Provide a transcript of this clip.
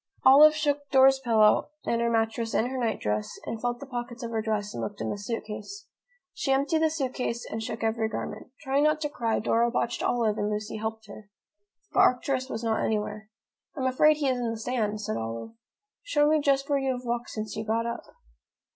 Olive shook Dora's pillow and her mattress and her nightdress, and felt the pockets of her dress and looked in the suit case. She emptied the suit case and shook every garment. Trying not to cry, Dora watched Olive and Lucy helped her. But Arcturus was not anywhere. "I am afraid he is in the sand," said Olive. "Show me just where you have walked since you got up."